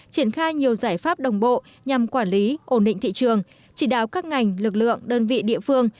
triển khai nhiều giải pháp đồng bộ nhằm quản lý ổn định thị trường chỉ đáo các ngành lực lượng đơn vị địa phương